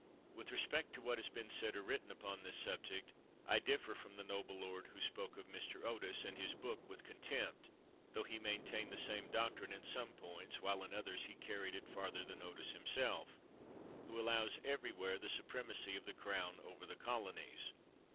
With respect to what has been said or written upon this subject I differ from the noble lord who spoke of Mr. Otis l and his book with con tempt, tho he maintained the same doctrine in some points, while in others he carried it farther than Otis himself, who allows everywhere the supremacy of the Crown over the colonies.